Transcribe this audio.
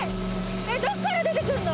えっどっから出てくんの？